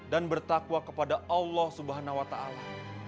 dan bertakwa kepada allah subhanahu wa ta'ala